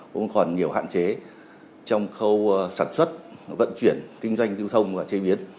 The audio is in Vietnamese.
cũng còn nhiều hạn chế trong khâu sản xuất vận chuyển kinh doanh lưu thông và chế biến